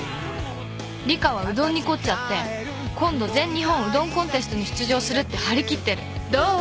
リカはうどんに凝っちゃって今度全日本うどんコンテストに出場するって張り切ってる」どう？